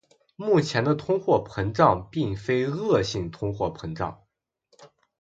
目前的通货膨胀并非恶性通货膨胀。